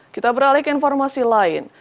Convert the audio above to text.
kita beralih ke informasi lain